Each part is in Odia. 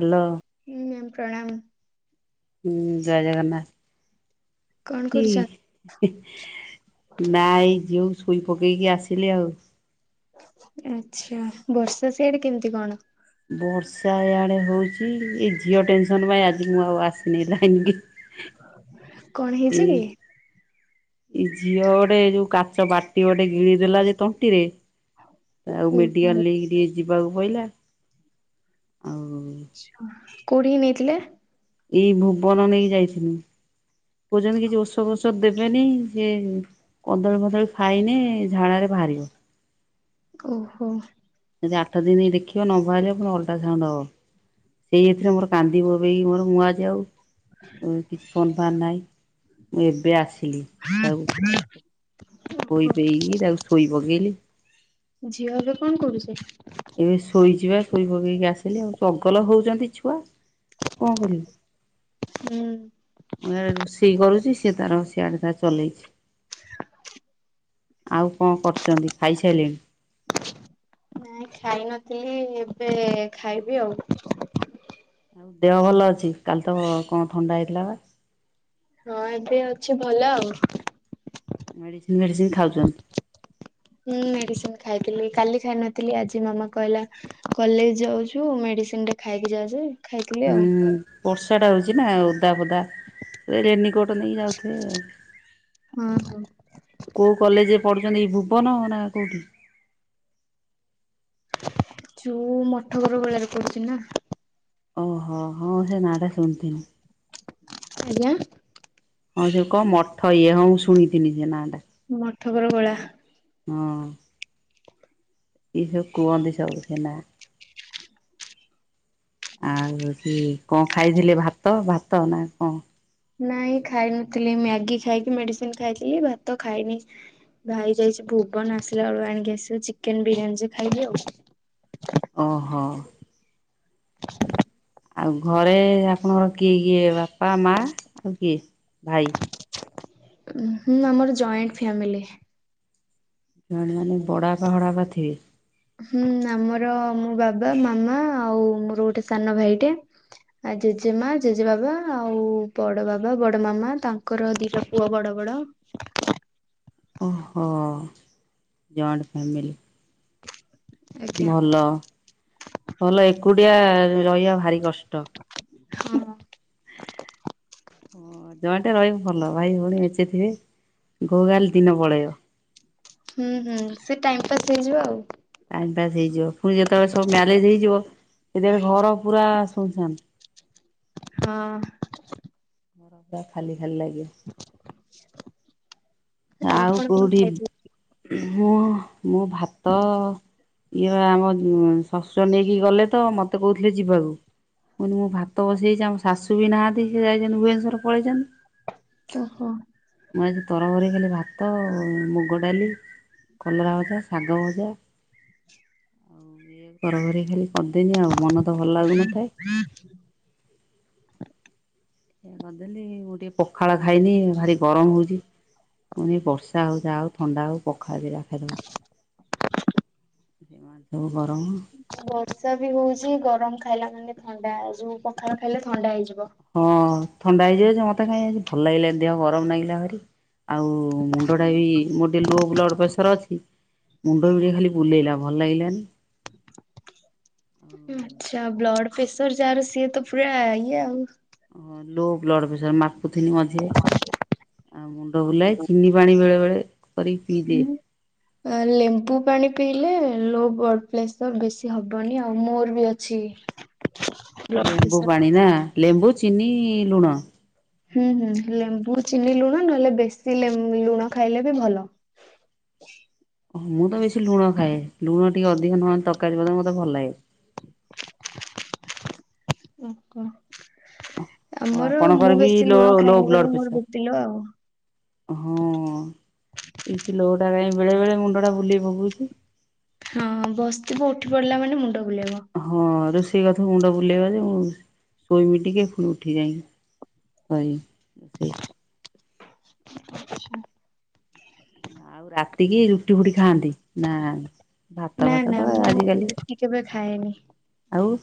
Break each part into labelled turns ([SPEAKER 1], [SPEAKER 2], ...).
[SPEAKER 1] ହଲୋ
[SPEAKER 2] ହୁଁ ମିଆମ୍ ପ୍ରଣାମ୍।
[SPEAKER 1] ହୁଁ ଜୟ ଜଗନ୍ନାଥ।
[SPEAKER 2] କଣ କରୁଛ?
[SPEAKER 1] କି ନାଇ ଯୋଉ ଛୁଇ ପକେଇକି ଆସିଲେ ଆଉ
[SPEAKER 2] ଆଚ୍ଛା ବର୍ଷା ସେଆଡେ କେମିତି କଣ?
[SPEAKER 1] ବର୍ଷା ଇଆଡେ ହଉଛି ଏ ଝିଅ ଟେନସନ ପାଇଁ ଆଜି ମୁଁ ଆଉ ଆସିନି ଲାଇନ କି।
[SPEAKER 2] କଣ
[SPEAKER 1] ଏ
[SPEAKER 2] ହେଇଛି କି?
[SPEAKER 1] ଏଇ ଝିଅ ଗୋଟେ ଯୋଉ କାଚ ବାଟି ଗୋଟେ ଗିଳିଦେଲା ଯେ ତଣ୍ଟିରେ ଆଉ
[SPEAKER 2] ଓହୋ
[SPEAKER 1] ମେଡିକାଲ ନେଇକି ଟିକେ ଯିବାକୁ ପଡିଲା।
[SPEAKER 2] କୋଉଠିକି ନେଇଥିଲେ?
[SPEAKER 1] ଏଇ ଭୁବନ ନେଇକି ଯାଇଥିଲି। କହୁଛନ୍ତି କିଛି ଓସ ଫୋସ ଦେବେନି ସେ କଦଳୀ ଫଦଳୀ ଖାଇନେ ଝାଡାରେ ବାହାରିବ।
[SPEAKER 2] ଓହୋ।
[SPEAKER 1] ଯଦି ଆଠ ଦିନ ଦେଖିବ ନଭାରିବ ପୁଣ ଅଲ୍ଟ୍ରାସାଉଣ୍ଡ ହବ। ସେଇ ଏଥିରେ ମୋର କାନ୍ଦି ବୋବେଇକି ମୋର ମୁଁ ଆଜି ଆଉ ଉଁ କିଛି ଫୋନ୍ ଫାନ୍ ନାହିଁ ଏବେ ଆସି ।
[SPEAKER 2] [unintelligible]
[SPEAKER 1] ଖୋଇ ପେଇକି ତାକୁ ଶୋଇ ପକେଇଲି।
[SPEAKER 2] ଝିଅ ଏବେ କଣ କରୁଛି।
[SPEAKER 1] ପଗଲ ହଉଛନ୍ତି ଛୁଆ । କଁ କରିବି
[SPEAKER 2] ହୁଁ।
[SPEAKER 1] ମୁଁ ଇଆଡେ ରୋଷେଇ କରୁଛି ସିଏ ତାର ବସି । ସିଆଡେ ତାର ଚଲେଇଛି ଆଉ କଣ କରୁଚନ୍ତି ଖାଇ ସାଇଲେଣି। [unintelligible]
[SPEAKER 2] ନାଇଁ ଖାଇ ନଥିଲି ଏବେ ଖାଇବି ଆଉ ।
[SPEAKER 1] ଦେହ ଭଲ ଅଛି କାଲି ତ କଣ ଥଣ୍ଡା ହେଇଥିଲା ବା ।
[SPEAKER 2] ହଁ ଏବେ ଅଛି ଭଲ ଆଉ ।
[SPEAKER 1] ମେଡ଼ିସିନ ଫେଡ଼ିସିନ ଖାଉଛନ୍ତି
[SPEAKER 2] ହୁଁ ମେଡିସିନ ଖାଇଥିଲି। କାଲି ଖାଇ ନଥିଲି ଆଜି ମାମା କହିଲା କଲେଜ ଯାଉଛୁ ମେଡିସିନ ଟେ ଖାଇକି ଯାଉଛୁ ।
[SPEAKER 1] ହୁଁ ବର୍ଷା ଟା ହଉଛି ନା ଓଦା ପୋଦା ଏବେ ରେନିକୋଟ୍ । ନେଇ କି ଯାଉଥିବେ
[SPEAKER 2] ହଁ ହଁ।
[SPEAKER 1] କୋଉ କଲେଜ୍ ‌ । ପଡୁଛନ୍ତି ଏଇ ଭୁବନ ନା କୋଉଠି ।
[SPEAKER 2] ଚୁ ମଠ ଘର ବେଳାରେ ପଢୁଚି ନା ।
[SPEAKER 1] ଓହୋ ହଁ ସେ ନାଟା ଶୁଣିଥିଲି ‌ ।
[SPEAKER 2] ଆଜ୍ଞା ।
[SPEAKER 1] ହଁ ସେ କଣ ମଠ ଇଏ ହଁ ମୁଁ ଶୁଣିଥିଲି ସେ ନା ଟା ।
[SPEAKER 2] ମଠକର ଗୋଳା ।
[SPEAKER 1] ହଁ । ଇଏ ସବ କୁଅନ୍ତି ସବୁ ସେ‌ ନା ‌। ଆଉ କି କଁ ଖାଇଥିଲେ ଭାତ ଭାତ ନା କଣ ।
[SPEAKER 2] ନାଇଁ ଖାଇ ନଥିଲି ମ୍ୟାଗି ଖାଇକି ମେଡିସିନ ଖାଇଥିଲି ଭାତ ଖାଇନି। ଭାଇ ଯାଇଛି ଭୁବନ ଆସିଲା ବେଳକୁ ଆଣିକି ଆସିବ ଚିକେନ ବିରିୟାନୀ ଯେ ଖାଇବି ଆଉ।
[SPEAKER 1] ଓହୋ ଆଉ ଘରେ ଆପଣଙ୍କର କିଏ କିଏ ବାପା ମା ଆଉ କିଏ ଭାଇ ।
[SPEAKER 2] ହୁଁ ଆମର ଜଏଣ୍ଟ ଫ୍ୟାମିଲି ।
[SPEAKER 1] ଜଏଣ୍ଟ ମାନେ ବଡ ବାପା ଫଡା ଆପା ଥିବେ।
[SPEAKER 2] ହୁଁ ଆମର ମୋ ବାବା ମାମା ଆଉ ମୋର ଗୋଟେ ସାନ ଭାଇଟେ। ଆଉ ଜେଜେମା ଜେଜେବାବା ଆଉ ବଡ ବାବା ବଡ ମାମା ତାଙ୍କର ଦିଟା ପୁଅ ବଡ । ବଡ ।
[SPEAKER 1] ଓ ହୋ ଜଏଣ୍ଟ ଫ୍ୟମିଲି ।
[SPEAKER 2] ଆଜ୍ଞା
[SPEAKER 1] ଭଲ ଭଲ ଏକୁଟିଆ ରହିବା ଭାରି କଷ୍
[SPEAKER 2] ହଁ ‌।
[SPEAKER 1] ଓ ଜଏଣ୍ଟେ ରହିବୁ ଭଲ ଭାଇ ଭଉଣୀ ମେନ୍ଚେ ଥିବେ ଘୋ ଘା ଲେ ଦିନ ପଳେଇବ ।
[SPEAKER 2] ହୁଁ ହୁଁ ସେ ଟାଇମ ପାସ୍ ହେଇଯିବ ଆଉ ।
[SPEAKER 1] ଟାଇମ୍ ପାସ ହେଇଯିବ ପୁଣି ଯେତେ ବେଳେ ସବୁ ମ୍ୟାରେଜ ହେଇଯିବ ସେତେ ବେଳେ ଘର ପୁରା ଶୁନ ସାନ।
[SPEAKER 2] ହଁ ।
[SPEAKER 1] ଘର ପୁରା ଖାଲି ଖାଲି ଲାଗିବ । ଆଉ
[SPEAKER 2] ଆପଣ କଣ
[SPEAKER 1] କୋଉଠି
[SPEAKER 2] ଖାଇଥିଲେ?
[SPEAKER 1] ହଁ ମୁଁ ଭାତ । ଇଏ ଆମ ଶଶୁର ନେଇକି ଗଲେ ତ ମତେ କହୁଥିଲେ ଯିବାକୁ । ମଁ କଇଲି ମୁଁ ଭାତ ବସେଇଛି ଆମ ଶାଶୁ ବି ନାହାନ୍ତି ସେ ଯାଇଛନ୍ତି ଭୁଏନେସ୍ୱର ପଳେଇଛନ୍ତି।
[SPEAKER 2] ଓହୋ ।
[SPEAKER 1] ମୁଁ ଆଜି ତରଭର ହେଇ ଖାଲି। ଭାତ ମୁଗ ଡାଲି କଲରା ଭଜା ଶାଗ ଭଜା । ଆଉ ଏଇଆକୁ ତର ବର ହେଇ ଖାଲି । କରିଦେନି ଆଉ ମନ ତ ଭଲ ଲାଗୁନଥାଏ। ଏଇଆ କରିଦେଲି ମୁଁ ଟିକେ ପଖାଳ ଖାଇନି ଭାରି ଗରମ ହଉଛି । ମୁଁ ବର୍ଷା ହଉ ଯାହା ହଉ ଥଣ୍ଡା ହଉ ପଖାଳ ଦି ଟା ଖାଇଦବା । ସେମାନେ ତ
[SPEAKER 2] ବର୍ଷା ବି ହଉଛି। ଗରମ ଖାଇଲା ମାନେ ଥଣ୍ଡା ଯୋଉ ପଖାଳ ଖାଇଲେ ଥଣ୍ଡା ହେଇଯିବ।
[SPEAKER 1] ହଁ ଥଣ୍ଡା ହେଇଯିବ ମତେ କାଇହିଁ ଭଲ ଲାଗିଲାନି ଦେହ ଗରମ ଲାଗିଲା ଭାରି। ଆଉ ମୁଣ୍ଡଟା ବି ମୋର ଟିକେ ଲୋ ବ୍ଲଡ ପ୍ରେସର ଅଛି। ମୁଣ୍ଡ ବିଡି ଖାଲି ବୁଲେଇଲା। ଭଲ ଲାଗିଲାନି।
[SPEAKER 2] ଆଛା ବ୍ଲଡ ପ୍ରେସର ଯାହାର ସିଏ ତ ପୁରା ଇଏ ଆଉ।
[SPEAKER 1] ଓ ଲୋ ବ୍ଲଡ ପ୍ରେସର। ମା ଖିନି ମଝିଏ ଆଉ ମୁଣ୍ଡ ବୁଲାଏ। ଚିନି ପାଣି ବେଳେ ବେଳେ କରିକି ପିଇଦିଏ।
[SPEAKER 2] ଲେମ୍ବୁ ପାଣି ପିଇଲେ ଲୋ ବ୍ଲଡ ପେସର ବେଶୀ ହେବନି। ଆଉ ମୋର ବି ଅଛି। ବ୍ଲଡ
[SPEAKER 1] ଲେମ୍ବୁ
[SPEAKER 2] ପ୍ରେସର।
[SPEAKER 1] ପାଣି ନା ଲେମ୍ବୁ ଚିନି ଲୁଣ।
[SPEAKER 2] ହୁଁ ହୁଁ ଲେମ୍ବୁ ଚିନି ଲୁଣ ନହେଲେ ବେଶୀ ଲୁଣ ଖାଇଲେ ବି ଭଲ।
[SPEAKER 1] [inaudible] ଓ ମୁଁ ତ ବେଶୀ ଲୁଣ ଖାଏ। ଲୁଣ ଟିକେ ଅଧିକ ନହେଲେ ତରକାରୀ ବଦ ମତେ ଭଲ ଲାଗେ।
[SPEAKER 2] ଓହୋ। ଆମର ମୁଁ
[SPEAKER 1] ଆପଣଙ୍କର ବି
[SPEAKER 2] ବେଶୀ
[SPEAKER 1] ଲୋ
[SPEAKER 2] ଲୁଣ
[SPEAKER 1] ଲୋ
[SPEAKER 2] ଖାଇନି ବୋଲି
[SPEAKER 1] ବ୍ଲଡ
[SPEAKER 2] ମୋର
[SPEAKER 1] ପ୍ରେସର।
[SPEAKER 2] ବିପିଲ ଆଉ।
[SPEAKER 1] ହଁ ଏଇଛି ଲୋ ଟା କାହିଁ ବେଳେ ବେଳେ ମୁଣ୍ଡ ଟା ବୁଲେଇ ପକଉଛି।
[SPEAKER 2] ହଁ ବସିଥିବୁ ଉଠି ପଡିଲା ମାନେ ମୁଣ୍ଡ ବୁଲେଇବ।
[SPEAKER 1] ହଁ ରୋଷେଇ କଥା ମୁଣ୍ଡ ବୁଲେଇବା ଯେ ଶୋଇମିି ଟିକେ ଫୁଣି ଉଠିବି ଯାଇକି। କହିବି ଏ
[SPEAKER 2] ଆଚ୍ଛା।
[SPEAKER 1] ଆଉ ରାତି କିି ରୁଟି ଫୁଟି ଖାଆନ୍ତି। ନା ଭାତ
[SPEAKER 2] ନା
[SPEAKER 1] ଭାତ
[SPEAKER 2] ନା
[SPEAKER 1] ତ
[SPEAKER 2] ମୁଁ
[SPEAKER 1] ଆଜିକାଲି
[SPEAKER 2] ରୁଟି କେବେ ଖାଏନି।
[SPEAKER 1] ଆଉ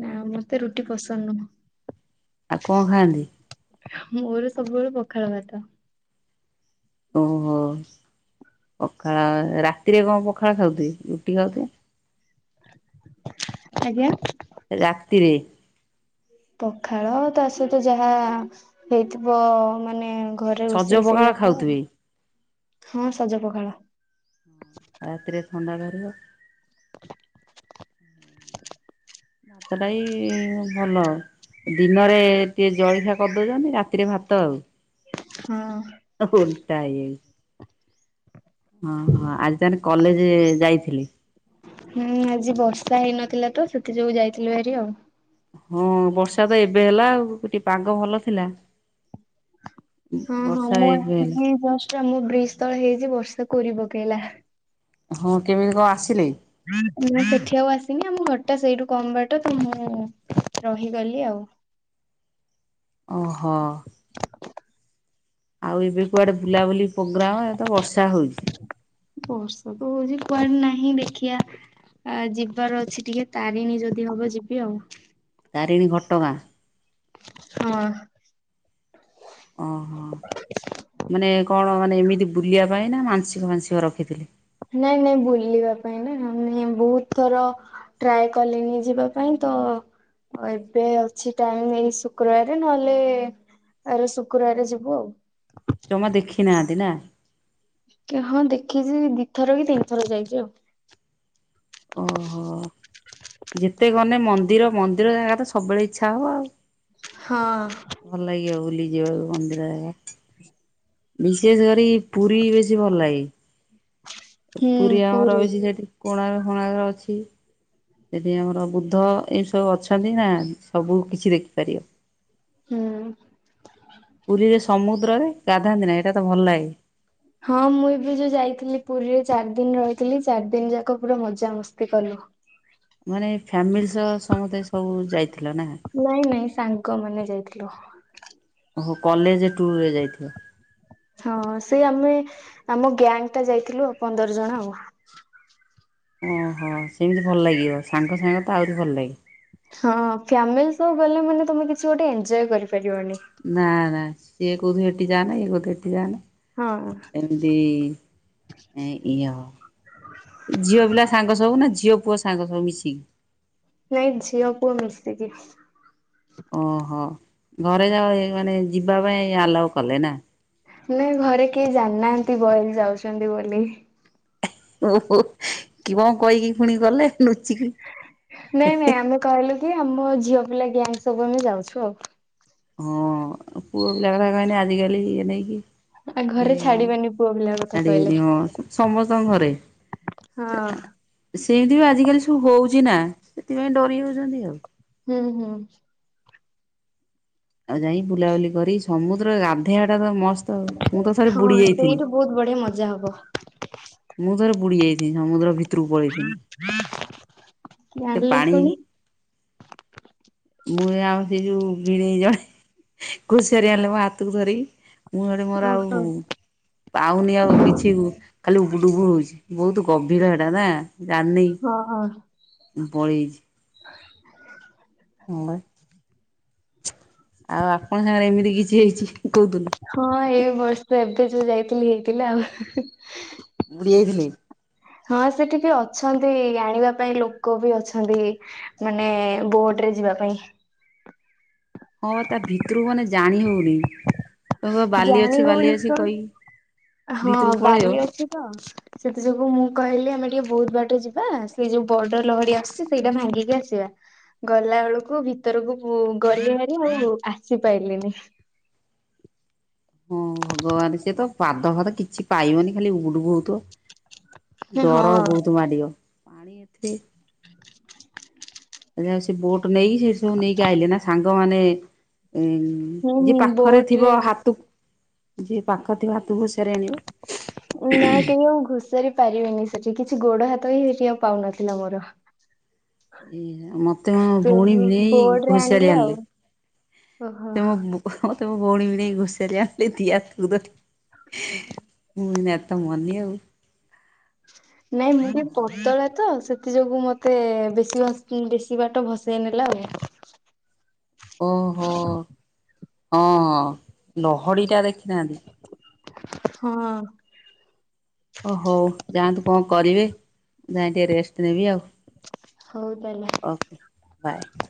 [SPEAKER 2] ନା ମତେ ରୁଟି ପସନ୍ଦ ନୁହଁ।
[SPEAKER 1] ଆଉ କଣ ଖାଆନ୍ତି?
[SPEAKER 2] ମୋର ସବୁବେଳେ ପଖାଳ ଭାତ।
[SPEAKER 1] ଓ ହୋ। ପଖାଳ ରାତିରେ କଣ ପଖାଳ ଖାଉଥିବେ। ରୁଟି
[SPEAKER 2] ଆଜ୍ଞା।
[SPEAKER 1] ଖାଉଥିବେ। ରାତିରେ।
[SPEAKER 2] ପଖାଳ ତା ସହିତ ଯାହା ହେଇଥିବ ମାନେ ଘରେ
[SPEAKER 1] ସଜ
[SPEAKER 2] ରୋଷେଇ
[SPEAKER 1] ପଖାଳ
[SPEAKER 2] ସେଇରା ଖାଇବ ନା।
[SPEAKER 1] ଖାଉଥିବେ ରାତିରେ ଥଣ୍ଡା ଘାରିବ। ଭାତଟାଇ ଭଲ। ଦିନରେ ଟିକେ ଜଳଖିଆ କରି ଦଉଛନ୍ତି। ରାତିରେ ଭାତ ଆଉ।
[SPEAKER 2] ହଁ।
[SPEAKER 1] ଓଲଟା ହେଇ ଯାଇ ଓ ହୋ ଆଜି ତାଲେ କଲେଜେ ଯାଇଥିଲି।
[SPEAKER 2] ହୁଁ ଆଜି ବର୍ଷା ହେଇନଥିଲା ତ। ସେଥି ଯୋଗୁ ଯାଇଥିଲୁ ଭାରି ଆଉ।
[SPEAKER 1] ହଁ ବର୍ଷା ତ ଏବେ ହେଲା ଆଉ। ପାଗ ଭଲ ଥିଲା।
[SPEAKER 2] ହଁ ହଁ
[SPEAKER 1] ବର୍ଷା
[SPEAKER 2] ମୁଁ
[SPEAKER 1] ଏବେ ହେଲା।
[SPEAKER 2] ଆସିିକି ଏଇ ଜଷ୍ଟ ଆମ ବ୍ରିଜ୍ ତଳେ ହେଇଛି। ବର୍ଷା କୋରି ପକେଇଲା।
[SPEAKER 1] ହଁ କେମିତି କଣ ଆସିଲେ?
[SPEAKER 2] ମୁଁ ସେଠି ଆଉ ଆସିନି। ଆମ ଘରଟା ସେଇଠୁ କମ ବାଟ ତ ମୁଁ ରହିଗଲି ଆଉ।
[SPEAKER 1] ଓହୋ। ଆଉ ଏବେ କୁଆଡେ ବୁଲାବୁଲି ପ୍ରୋଗ୍ରାମ ଏ ତ ବର୍ଷା ହଉଛି।
[SPEAKER 2] ବର୍ଷା ତ ହଉଛି କୁଆଡେ ନାହିଁ ଦେଖିବା। ଆ ଯିବାର ଅଛି ଟିକେ ତାରିଣୀ ଯଦି ହବ ଯିବି ଆଉ।
[SPEAKER 1] ତାରିଣୀ ଘଟଗାଁ।
[SPEAKER 2] ହଁ।
[SPEAKER 1] ଓହୋ। ମାନେ କଣ ମାନେ ଏମିତି ବୁଲିବା ପାଇଁ ନା। ମାଂସିକ ମାାନଂସିକ ରଖିଥିଲେ।
[SPEAKER 2] ମାନେ ବହୁତ ଥର ଟ୍ରାଏ କଲିନି ଯିବା ପାଇଁ। ତ ଏବେ ଅଛି ଟାଇମି। ଏଇ ଶୁକ୍ରବାରେ ନହେଲେ ଆର ଶୁକ୍ରବାର ଯିବୁ ଆଉ।
[SPEAKER 1] ଜମା ଦେଖି ନାହାଁନ୍ତି ନା?
[SPEAKER 2] ହଁ, ଦେଖିଛି ଦିଥର କି, ତିନି ଥର ଯାଇଛି ଆଉ।
[SPEAKER 1] ଓହୋ! ଯେତେ ଗନେ ମନ୍ଦିର! ମନ୍ଦିର ଜାଗା ତ ସବୁବେଳେ ଇଛା ହବ ଆଉ। ଭଲ ଲାଗିବ ବୁଲି ଯିବାକୁ ମନ୍ଦିର ଜାଗା। ମିସ୍ ଚେଜ୍ କରି ପୁରୀ ବେଶୀ ଭଲ ଲାଗେ। ପୁରୀ ଆମର ରହିଛି ସେଠି। କୋଣାର ଫୋଣାର ଅଛି। ସେଠି ଆମର ବୁଦ୍ଧ ଏମ୍ ସବୁ ଅଛନ୍ତି ନା ସବୁ କିଛି ଦେଖିପାରିବ।
[SPEAKER 2] ହୁଁ।
[SPEAKER 1] ପୁରୀରେ ସମୁଦ୍ରରେ ଗାଧାନ୍ତି ନାହିଁ, ଏଇଟା ତ ଭଲ ଲାଗେ।
[SPEAKER 2] ହଁ, ମୁଁ ଏବେ ଯୋଉ ଯାଇଥିଲି, ପୁରୀରେ ଚାରି ଦିନ ରହିି ଥିଲି, ଚାରି ଦିନ ଯାକ ପୁରା ମଜାମସ୍ତି କଲୁ।
[SPEAKER 1] ମାନେ ଫ୍ୟାମିଲି ସହ ସମସ୍ତେ ସବୁ ଯାଇ
[SPEAKER 2] ନାଇଁ ନାଇଁ, ସାଙ୍ଗ ମାନେ ଯାଇଥିଲୁ।
[SPEAKER 1] ଓହୋ! କଲେଜ ଟୁୁର୍ ରେ ଯାଇଥିବ!
[SPEAKER 2] ହଁ, ସେ ଆମେ ଆମ ଗ୍ୟାଙ୍ଗ୍ ଟା ଯାଇଥିଲୁ ଆଉ, ପନ୍ଦର ଜଣ ଆଉ।
[SPEAKER 1] ଓହୋ‌! ସେମିତି ଭଲ ଲାଗିବ। ସାଙ୍ଗ ସାଙ୍ଗ ତ ଆହୁରି ଭଲ ଲାଗେ।
[SPEAKER 2] ହଁ, ଫ୍ୟାମିଲି ସହ ଗଲେ ମାନେ ତମେ କିଛି ଗୋଟେ ଏନ୍ଜୟ କରି
[SPEAKER 1] ନା, ନା, ସିଏ କହୁଥି ହେଠି ଯାଆନା। ଇଏ କଉଥି ଏଠି ଯାଆନା।
[SPEAKER 2] ହଁ
[SPEAKER 1] ଏମିତି ଇଁ ଅ। ଝିଅ ପିଲା ସାଙ୍ଗ ସବୁ ନା! ଝିଅ ପୁଅ ସାଙ୍ଗ ସବୁ ମିଶିକି?
[SPEAKER 2] ନାଇଁ, ଝିଅପୁଅ ମିଶିକି।
[SPEAKER 1] ଓହୋ! ଘରେ ଯଉ ମାନେ ଯିବାପାଇଁ ଆଲାଓ କଲେ ନା।
[SPEAKER 2] ନାଇଁ, ଘରେ କେହି ଜାଣିନାହାଁନ୍ତି, ବଏଜ ଯାଉଛନ୍ତି ବୋଲି।
[SPEAKER 1] ଓହୋ! କି କଣ କହିକି ଫୁଣି ଗଲେ? ଲୁଚିକି
[SPEAKER 2] ନାଇଁ ନାଇଁ ଆମେ କହିଲୁ କି, ଆମ ଝିଅ ପିଲା ଗ୍ୟାଙ୍ଗ୍ ସବୁ ଆମେ ଯାଉଛୁ ଆଉ।
[SPEAKER 1] ହଁ, ପୁଅ ପିଲା କଥା କହିନେ, ଆଜିକାଲି ଇଏ ନେଇକି
[SPEAKER 2] ଆ
[SPEAKER 1] ଟିକେ
[SPEAKER 2] ଘରେ ଛାଡିବେନି ପୁଅ ପିଲା କଥା କହିଲେ
[SPEAKER 1] ଛାଡିିବେନି ହଁ, ସମସ୍ତଙ୍କ ଘରେ।
[SPEAKER 2] ହଁ
[SPEAKER 1] ସେମତି ବି ଆଜିକାଲି ସବୁ ହଉଛି ନା ସେଥିପାଇଁ ଡରି ଯାଉଛନ୍ତି ଆଉ।
[SPEAKER 2] ହୁଁ, ହୁଁ।
[SPEAKER 1] ଆଉ, ଯାଇଁ ବୁଲାବୁଲି କରି, ସମୁଦ୍ର ଗାଧେଇଆ ଟା ତ ମସ୍ତ ହଁ, ତ ଆଉ। ମୁଁ ତ ଥରେ
[SPEAKER 2] ହଁ
[SPEAKER 1] ବୁଡି ଯାଇଥିନି।
[SPEAKER 2] ସେଇଠି ବହୁତ ବଢିଆ ମଜା ହବ
[SPEAKER 1] ବୁଡି ଯାଇଥି ସମୁଦ୍ର ଭିତ୍ ତ୍ରୁ ପଳେଇଥିନି। କେତେ
[SPEAKER 2] ଜାଣିଲେ
[SPEAKER 1] ପାଣି?
[SPEAKER 2] ପୁଣି।
[SPEAKER 1] ମୁଁ, ଆଉ ସେଇ ଯୋଉ ଭଣେଇ ଜଣେ, ଘୁସିଆରି ଆଣିଲେ, ମୋ ହାତକୁ ଧରି ମୁଁ, ହେଠି ମୋର ଆଉ,
[SPEAKER 2] ଓହୋ।
[SPEAKER 1] ପାଉନି ଆଉ କିଛି କୁ ଖାଲି ଉବୁଡ଼ୁବୁହଉଛି। ବହୁତ ଗଭୀର ହେଟା ନା
[SPEAKER 2] ହଁ।
[SPEAKER 1] ମୁଁ ପଳେଇଚି। ଆଉ, ଆପଣଙ୍କ ସାଙ୍ଗରେ ଏମିତି କିଛି ହେଇଛି? କୋଉଦିନ
[SPEAKER 2] ହଁ, ଏଇ ବର୍ଷ ଏବେ ଯୋଉ ଯାଇଥିଲି, ହେଇଥିଲା ଆଉ। ହି ହି ହି।
[SPEAKER 1] ବୁଡ଼ି ଆଇଥିଲେ?
[SPEAKER 2] ହଁ, ସେଠିକି ଅଛନ୍ତି। ଆଣିବା ପାଇଁ ଲୋକ ବି ଅଛନ୍ତି! ମାନେ ଏ ବୋଟରେ ଯିବା ପାଇଁ
[SPEAKER 1] ହଁ, ତା ଭିତରକୁ ମାନେ ଜାଣି ହଉନି। କହିବ ବାଲି
[SPEAKER 2] ଜାଣି
[SPEAKER 1] ଅଛି ବାଲି
[SPEAKER 2] ହଉନି
[SPEAKER 1] ଅଛି
[SPEAKER 2] କଣ?
[SPEAKER 1] କହିକି
[SPEAKER 2] ହଁ,
[SPEAKER 1] ଭିତରକୁ ପଳେଇବ
[SPEAKER 2] ବାଲି ଅଛି ତ ସେଥି ଯୋଗୁଁ, ମୁଁ କହିଲି ଆମେ ଟିକେ, ବହୁତ ବାଟ ଯିବା ସେଇ ଯୋଉ ବଡ଼ ଲହଡି ଆସୁଛି, ସେଇଟା ଭାଙ୍ଗିକି ଆସିବା। ଗଲା ବେଳକୁ ଭିତରକୁ ପୁ, ଗଲିଭାରୀ ମୁଁ ଆସି ପାଇଲିନି।
[SPEAKER 1] [inaudible] ହଁ ଭଗବାନ ସିଏ ତ ପାଦ ଫାଦ କିଛି ପାଇବନି ଖାଲି ଉବୁ ଟୁବୁ ହଉଥିବ।
[SPEAKER 2] ହଁ
[SPEAKER 1] ଡର ବହୁତ ମାଡିବ। ଦେଖିଲା ବେଳ କୁ ସେ ବୋଟ ନେଇକି ସେ ସବୁ ନେଇକି ଆଇଲେ ନା ସାଙ୍ଗମାନେ
[SPEAKER 2] ହୁଁ ହୁଁ
[SPEAKER 1] ଯିଏ ପାଖରେ
[SPEAKER 2] ବୋଟ ରେ
[SPEAKER 1] ଥିବ ହାତ କୁ ଯିଏ ପାଖରେ ଥିବା ହାତ କୁ ଘୋଷାରି ଆଣିବ।
[SPEAKER 2] ନା କେହି ଆଉ ପାରିବେନି ସେଠି। କିଛି ଗୋଡ ହାତ ହିଁ ସେଠି ଆଉ ପାଉନଥିଲା ମୋର।
[SPEAKER 1] ଏ ମତେ ମୋ
[SPEAKER 2] ସେ
[SPEAKER 1] ଭଉଣୀ ଭିଣେଇ
[SPEAKER 2] ବୋର୍ଡ ରେ
[SPEAKER 1] ଘୋସାରି ଆଣିଲେ।
[SPEAKER 2] ଆଉ ଓହୋ।
[SPEAKER 1] ତମ ତମ ଭଉଣୀ ଭିଣେଇ ଘୋଷାରି ଆଣିଲେ ଦି ହାତକୁ ଧରିକି। ମୁଁ ଏଇନା ତ ମଲି ଆଉ।
[SPEAKER 2] ନାଇଁ ମୁଁ ବି ପତଳା ତ। ସେଥି ଯୋଗୁ ମତେ ବେଶୀ ବେଶୀ ବାଟ ଭସେଇ ନେଲା ଆଉ।
[SPEAKER 1] ଓହୋ ହଁ ଲହଡି ଟା ଦେଖିନାହାନ୍ତି।
[SPEAKER 2] ହଁ।
[SPEAKER 1] ଓ ହଉ ଯାଆନ୍ତୁ କଣ କରିବେ। ମୁଁ ଯାଏ ଟିକେ ରେଷ୍ଟ ନେବି ଆଉ।
[SPEAKER 2] ହଉ ତାହେଲେ।
[SPEAKER 1] Okay bye.